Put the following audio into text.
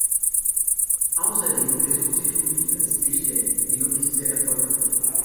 Außerdem versucht sich Ludwig als Dichter, jedoch nicht sehr erfolgreich.